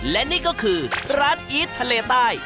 และนี่ก็คือร้านอีททะเลใต้